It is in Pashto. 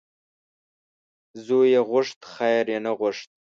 زوی یې غوښت خیر یې نه غوښت .